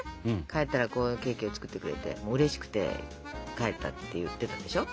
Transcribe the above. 帰ったらこういうケーキを作ってくれてうれしくて帰ったって言ってたでしょ？